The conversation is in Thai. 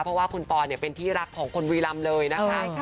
เพราะว่าคุณปอเป็นที่รักของคนบุรีรำเลยนะคะ